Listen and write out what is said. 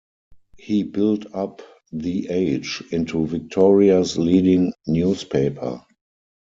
He built up "The Age" into Victoria's leading newspaper.